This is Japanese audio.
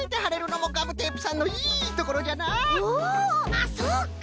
あっそうか！